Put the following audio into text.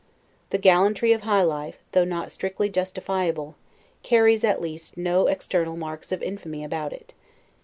The gallantry of high life, though not strictly justifiable, carries, at least, no external marks of infamy about it.